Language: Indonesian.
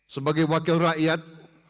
sebagai wakil rakyat